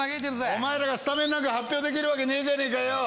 お前らがスタメンなんか発表できるわけねえじゃねぇかよ。